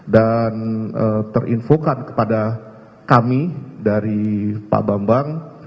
dan terinfokan kepada kami dari pak bambang